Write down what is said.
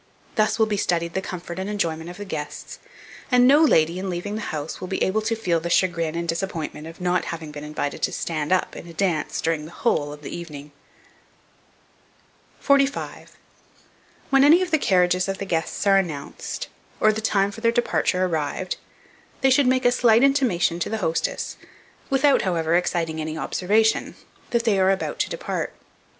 Thus will be studied the comfort and enjoyment of the guests, and no lady, in leaving the house, will be able to feel the chagrin and disappointment of not having been invited to "stand up" in a dance during the whole of the evening. 45. WHEN ANY OF THE CARRIAGES OF THE GUESTS ARE ANNOUNCED, or the time for their departure arrived, they should make a slight intimation to the hostess, without, however, exciting any observation, that they are about to depart.